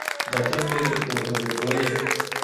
data mbega ukuntu bigoye